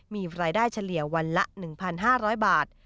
มีรายได้เฉลี่ยวันละ๑๕๐๐บาท